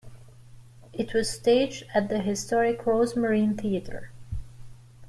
It was staged at the historic Rose Marine Theater.